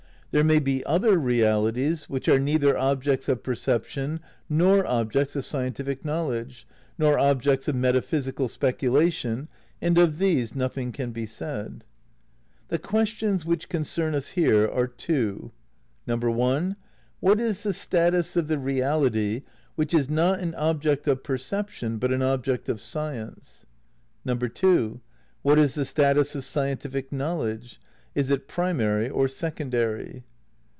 There may be other realities which are neither objects of perception nor objects of scientific knowledge, nor objects of meta physical speculation, and of these nothing can be said. The questions which concern us here are two : (1) "What is the status of the reality which is not an object of perception but an object of science? (2) What is the status of scientific knowledge? Is it primary or secon dary?